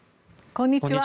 こんにちは。